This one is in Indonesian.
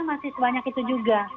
masih banyak itu juga